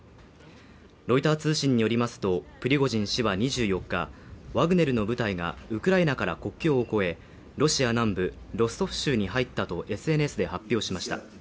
ロイター通信によりますと、プリゴジン氏は２４日、ワグネルの部隊がウクライナから国境を越え、ロシア南部ロストフ州に入ったとＳＮＳで発表しました。